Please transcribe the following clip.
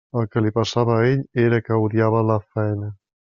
El que li passava a ell era que odiava la faena.